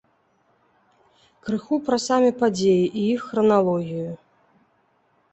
Крыху пра самі падзеі і іх храналогію.